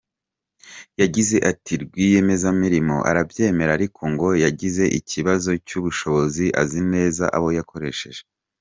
Yagize ati: “ Rwiyemezamirimo arabyemera ariko ngo yagize ikibazo cy’ubushobozi, azi neza abo yakoresheje.